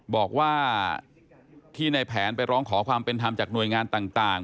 บอกว่าที่ในแผนไปร้องขอความเป็นธรรมจากหน่วยงานต่าง